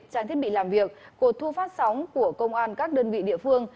trang thiết bị làm việc cuộc thu phát sóng của công an các đơn vị địa phương